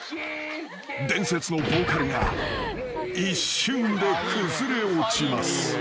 ［伝説のボーカルが一瞬で崩れ落ちます］